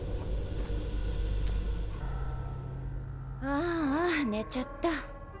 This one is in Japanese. あぁあ寝ちゃった。